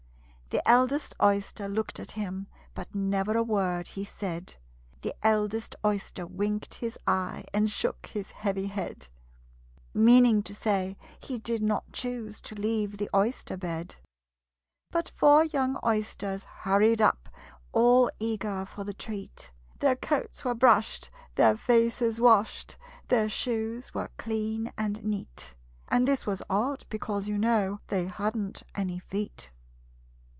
The eldest Oyster looked at him, But never a word he said: The eldest Oyster winked his eye, And shook his heavy head Meaning to say he did not choose To leave the oyster bed. But four young Oysters hurried up, All eager for the treat: Their coats were brushed, their faces washed, Their shoes were clean and neat And this was odd, because, you know, They hadn't any feet.